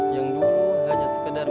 yang dulu hanya sekedar